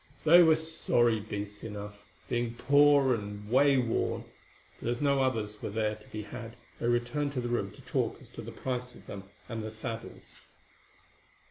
They were sorry beasts enough, being poor and wayworn, but as no others were to be had they returned to the room to talk as to the price of them and their saddles.